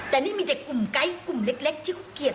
แต่นี่มีแต่กลุ่มไกด์กลุ่มเล็กที่เขาเกลียด